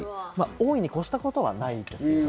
多いに越したことはないです。